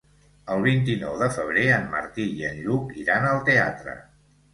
El vint-i-nou de febrer en Martí i en Lluc iran al teatre.